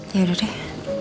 ya udah deh